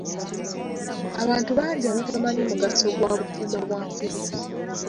Abantu bangi abatamanyi mugaso gwa butimba bwa nsiri.